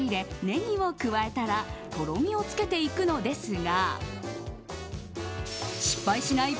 ネギを加えたらとろみをつけていくのですが失敗しない